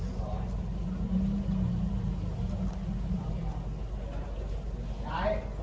สวัสดีครับทุกคน